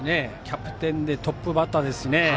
キャプテンでトップバッターですしね。